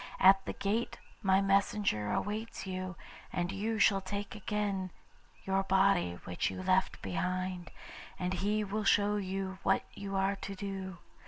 At the gate my messenger awaits you, and you shall take again your body which you left behind, and he will show you what you are to do.